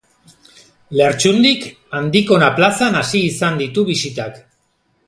Lertxundik Andikona plazan hasi izan ditu bisitak.